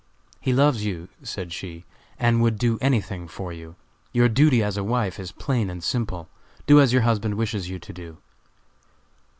"He loves you," said she, "and would do any thing for you. Your duty as a wife is plain and simple; do as your husband wishes you to do."